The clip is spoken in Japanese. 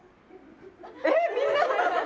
えっみんな。